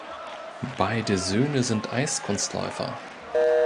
Beide Söhne sind Eiskunstläufer.